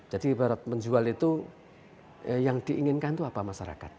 jadi ibarat menjual itu yang diinginkan itu apa masyarakat